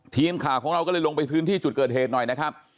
ทีมข่าวของเราก็เลยลงไปพื้นที่จุดเกิดเหตุหน่อยนะครับ